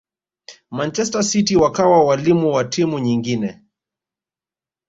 manchester city wakawa walimu wa timu nyingine